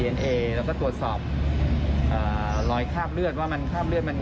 แล้วก็ตรวจสอบเอ่อลอยคาบเลือดว่ามันคาบเลือดมัน